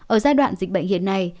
ở giai đoạn dịch bệnh hiện nay